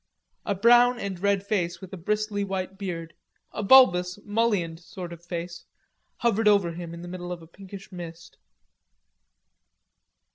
A brown and red face with a bristly white beard, a bulbous, mullioned sort of face, hovered over him in the middle of a pinkish mist.